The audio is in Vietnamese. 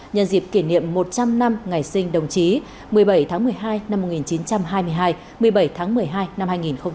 nhân dịp kỷ niệm một trăm linh năm ngày sinh đồng chí một mươi bảy tháng một mươi hai năm một nghìn chín trăm hai mươi hai một mươi bảy tháng một mươi hai năm hai nghìn hai mươi